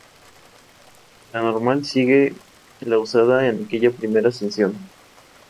La ruta normal sigue la usada en aquella primera ascensión.